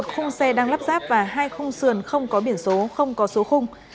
một khung xe đang lắp ráp và hai khung sườn không có biển số không có số khung